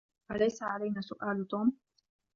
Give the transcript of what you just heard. أليس علينا سؤال توم؟